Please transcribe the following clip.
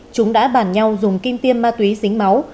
chúng đã bàn nhau dùng kim tiêm ma túy dính máu